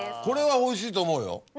これはおいしいと思うよ。